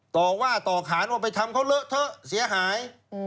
ต่อว่าต่อขานว่าไปทำเขาเลอะเถอะเสียหาย